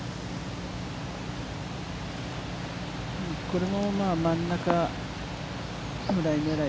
これも真ん中ぐらいねらい。